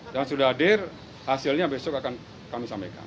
yang sudah hadir hasilnya besok akan kami sampaikan